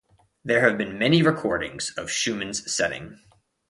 There have been many recordings of Schumann's setting.